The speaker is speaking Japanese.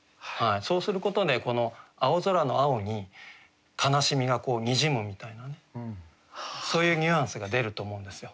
そうすることでこの「青空」の「青」に悲しみがにじむみたいなねそういうニュアンスが出ると思うんですよ。